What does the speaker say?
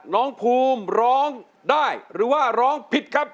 น้องภูมิร้องได้หรือว่าร้องผิดครับ